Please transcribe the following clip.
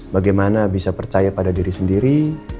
bagaimana bisa percaya pada diri sendiri